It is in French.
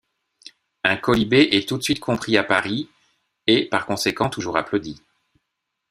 Un quolibet est tout de suite compris à Paris, et par conséquent toujours applaudi.